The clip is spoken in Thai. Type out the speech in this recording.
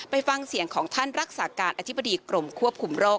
ไปฟังเสียงของท่านรักษาการอธิบดีกรมควบคุมโรค